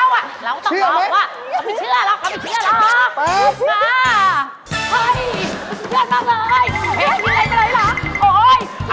ยินไงนะคะโอ้โฮ